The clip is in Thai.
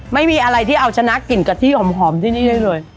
ไม่มีอะไรที่เอาชนะกลิ่นกะทิหอมที่นี่ได้เลย